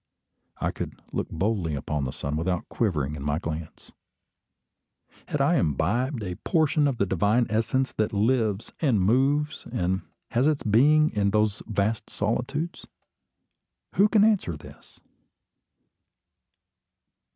I could look boldly upon the sun without quivering in my glance. Had I imbibed a portion of the divine essence that lives, and moves, and has its being in those vast solitudes? Who can answer this?